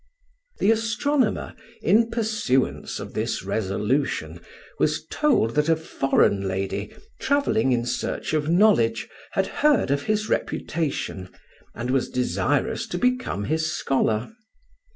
The astronomer, in pursuance of this resolution, was told that a foreign lady, travelling in search of knowledge, had heard of his reputation, and was desirous to become his scholar.